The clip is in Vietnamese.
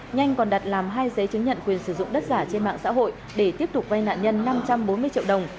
nhanh còn đặt làm hai giấy chứng nhận quyền sử dụng đất giả trên mạng xã hội để tiếp tục vay nạn nhân năm trăm bốn mươi triệu đồng